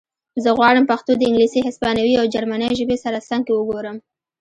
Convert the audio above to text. زه غواړم پښتو د انګلیسي هسپانوي او جرمنۍ ژبې سره څنګ کې وګورم